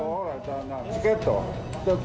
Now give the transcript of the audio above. チケット。